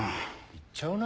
いっちゃうな？